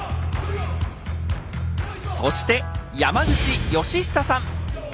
そして山口善久さん。